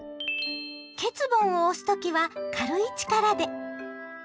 缺盆を押す時は軽い力で。